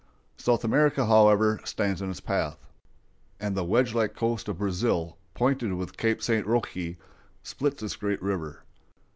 South America, however, stands in its path, and the wedge like coast of Brazil, pointed with Cape St. Roque, splits this great river.